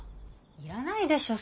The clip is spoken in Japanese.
いらないでしょ